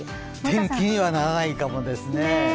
天気にはならないかもですね。